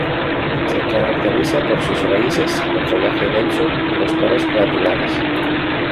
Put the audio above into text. Se caracteriza por sus raíces, el follaje denso y los pelos glandulares.